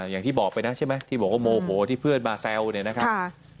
อย่างที่บอกไปนะใช่ไหมที่บอกว่าโมโหที่เพื่อนมาแซวเนี่ยนะครับ